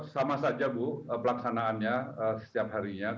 sama saja bu pelaksanaannya setiap harinya